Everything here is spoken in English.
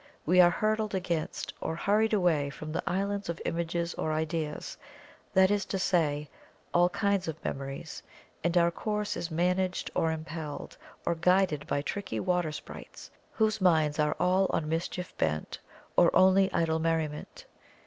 We are hurtled against, or hurried away from the islands of Images or Ideas, that is to say, all kinds of memories, and our course is managed or impelled, or guided by tricky water sprites, whose minds are all on mischief bent or only idle merriment.